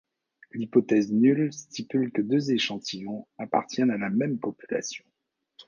L'hypothèse nulle stipule que les deux échantillons appartiennent à la même population.